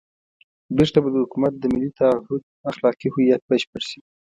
بېرته به د حکومت د ملي تعهُد اخلاقي هویت بشپړ شي.